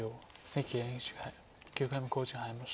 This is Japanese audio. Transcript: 関ＮＨＫ杯９回目の考慮時間に入りました。